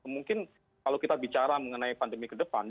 mungkin kalau kita bicara mengenai pandemi ke depan